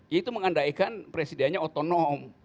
ya itu mengandaikan presidennya otonom